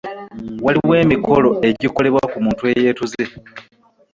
Waliwo emikolo egikolebwa ku muntu eyeetuze.